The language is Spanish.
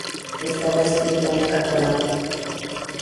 Estaba escrita en catalán.